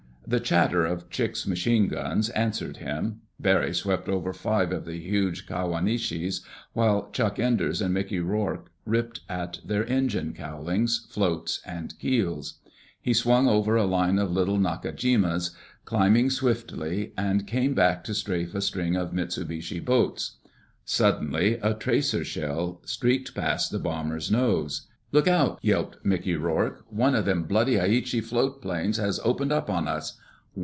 The chatter of Chick's machine gun answered him. Barry swept over five of the huge Kawanishis, while Chick Enders and Mickey Rourke ripped at their engine cowlings, floats and keels. He swung over a line of little Nakajimas, climbed swiftly, and came back to strafe a string of Mitsubishi boats. Suddenly a tracer shell streaked past the bomber's nose. "Look out!" yelped Mickey Rourke. "One of them bloody Aichi float planes has opened up on us...."